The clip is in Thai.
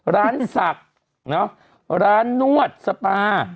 ร้านศักดิ์ร้านนวดสปา